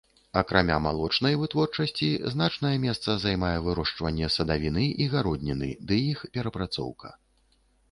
Акрамя малочнай вытворчасці значнае месца займае вырошчванне садавіны і гародніны ды іх перапрацоўка.